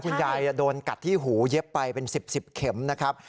คุณยายโดนกัดที่หูเย็บไปเป็น๑๐๑๐เข็มนะครับ